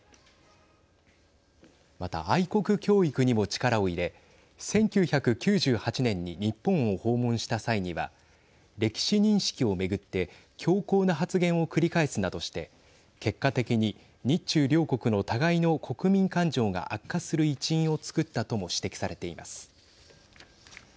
また、愛国教育にも力を入れ１９９８年に日本を訪問した際には歴史認識を巡って強硬な発言を繰り返すなどして結果的に日中両国の互いの国民感情が悪化する一因を作ったとも指摘されています。